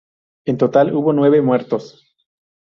En total, hubo nueve muertos.